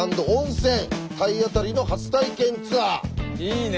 いいね！